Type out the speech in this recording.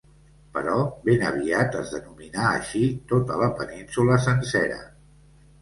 Però ben aviat es denominà així tota la península sencera.